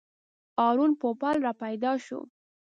هارون پوپل راپیدا شو.